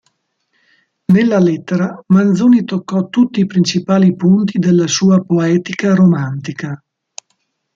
Nella lettera Manzoni toccò tutti i principali punti della sua poetica romantica.